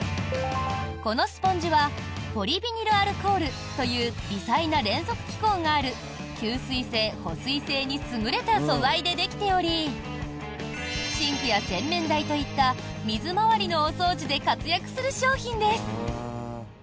このスポンジはポリビニルアルコールという微細な連続気孔がある吸水性、保水性に優れた素材でできておりシンクや洗面台といった水回りのお掃除で活躍する商品です。